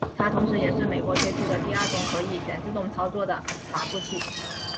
它同时也是美国推出的第二种可以全自动操作的洒布器。